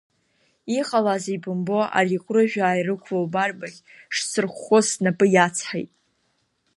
Иҟалазеи бымбо, ари Кәрыжәаа ирықәлоу барбаӷь шсырххоз снапы иацҳаит!